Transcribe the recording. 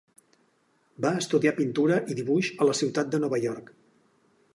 Va estudiar pintura i dibuix a la ciutat de Nova York.